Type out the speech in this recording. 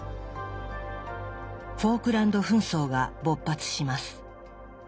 フォークランド紛争が勃発します。